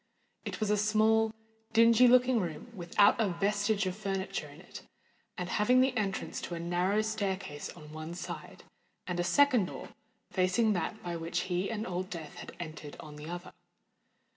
It was a small, dingy looking room, without a vestige of furniture in it, and having the entrance to a narrow staircase on one side, and a second door, facing that by which he and Old Death had entered, on the other.